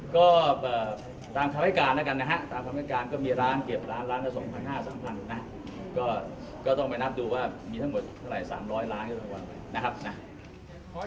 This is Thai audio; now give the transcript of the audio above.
ก็เป็นประจำคำให้การครับนะครับก็เป็นประจำก็มีการแจ้งมานะครับนะครับ